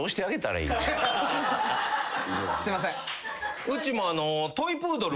すいません。